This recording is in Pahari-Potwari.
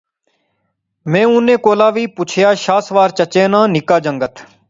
میں انیں کولا وی پچھیا، شاہ سوار چچے ناں نکا جنگت۔۔۔۔؟